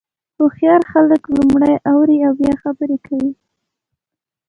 هوښیار خلک لومړی اوري او بیا خبرې کوي.